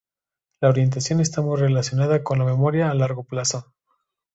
La orientación está muy relacionada con la memoria a largo plazo.